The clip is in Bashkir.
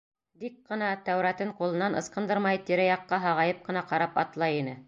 Дик ҡына Тәүратын ҡулынан ыскындырмай тирә-яҡҡа һағайып ҡына ҡарап атлай ине.